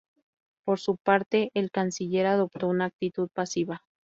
Por su parte, el canciller adoptó una actitud pasiva.